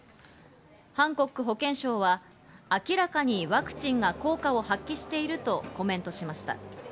ハンコック保健相は、明らかにワクチンが効果を発揮しているとコメントしました。